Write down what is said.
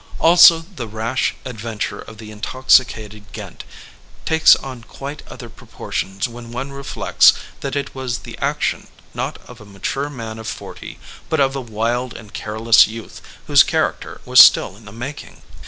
Also the rash adventure of the intoxicated Ghent takes on quite other proportions when one reflects that it was the action not of a mature man of forty, but of a wild 90 CHARACTERIZATION vs. SITUATION and careless youth whose character was still in the making.